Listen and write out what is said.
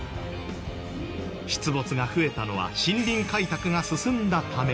出没が増えたのは森林開拓が進んだため。